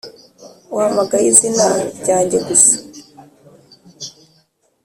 uhamagaye izina ryanjye gusa